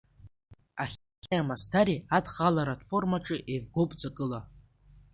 Ахьыӡҟеи амасдари адхаларатә формаҿы еивгоуп ҵакыла…